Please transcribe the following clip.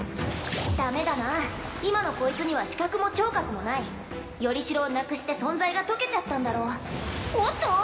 ダメだな今のこいつには視覚も聴覚もないよりしろをなくして存在が溶けちゃったんだろうおっと！